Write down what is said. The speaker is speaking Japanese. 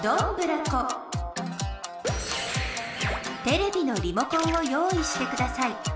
テレビのリモコンを用意してください。